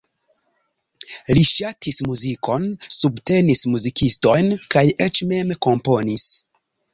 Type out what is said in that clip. Li ŝatis muzikon, subtenis muzikistojn kaj eĉ mem komponis.